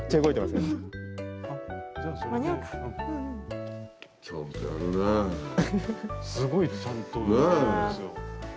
すごいちゃんとやるんですよ。